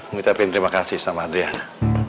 mengucapkan terima kasih sama adriana